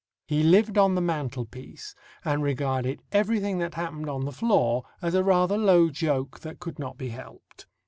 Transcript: He lived on the mantelpiece, and regarded everything that happened on the floor as a rather low joke that could not be helped.